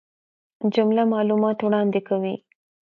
جمله معلومات وړاندي کوي.